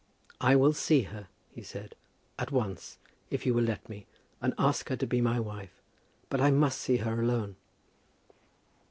"I will see her," he said, "at once, if you will let me, and ask her to be my wife. But I must see her alone."